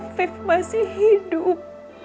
masih merasa afif masih hidup